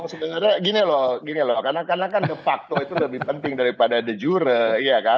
sebenarnya gini loh gini loh karena kan de facto itu lebih penting daripada de jure